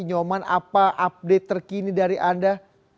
nyoman apa update terkini dari anda